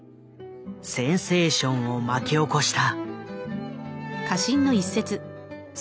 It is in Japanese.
センセーションを巻き起こした。